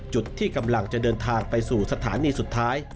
จุดที่กำลังจะเดินทางไปสู่สถานีสุดท้าย